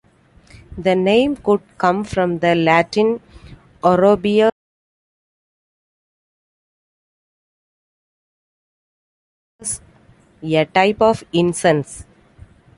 The name could come from the Latin 'orobias', a type of incense.